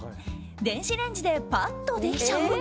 電子レンジでパッとできちゃう！